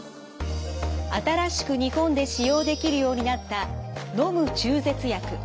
新しく日本で使用できるようになった「のむ中絶薬」。